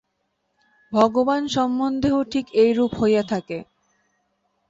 ভগবান সম্বন্ধেও ঠিক এইরূপ হইয়া থাকে।